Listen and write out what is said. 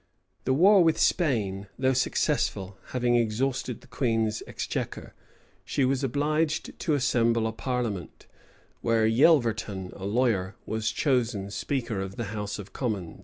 The war with Spain, though successful, having exhausted the queen's exchequer, she was obliged to assemble a parliament; where Yelverton, a lawyer, was chosen speaker of the house of commons.